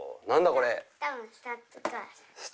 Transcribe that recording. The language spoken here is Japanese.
これ。